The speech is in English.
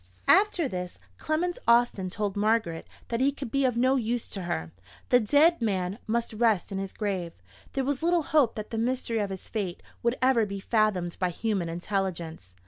After this, Clement Austin told Margaret that he could be of no use to her. The dead man must rest in his grave: there was little hope that the mystery of his fate would ever be fathomed by human intelligence.